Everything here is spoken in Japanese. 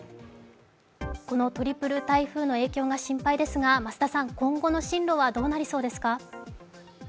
このトリプル台風の影響が心配ですが、今後の進路はどうなりそうですか？